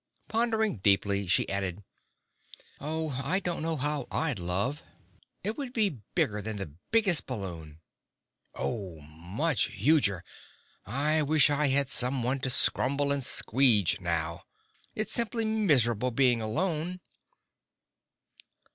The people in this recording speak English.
Pondering deeply, she added, "Oh, I don't know how I'd love! It would be bigger than the biggest balloon! Oh, much huger! I wish I had someone to scrumble and squeege now! It's simply miserable being alone!"